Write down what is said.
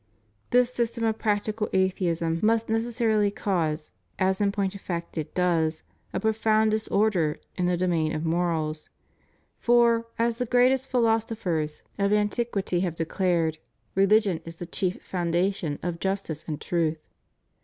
This system of practical atheism must necessarily cause, as in point of fact it does, a profound disorder in the do main of morals; for, as the greatest philosophers of an REVIEW OF HIS PONTIFICATE. 561 tiquity have declared, religion is the chief foundation of justice and virtue.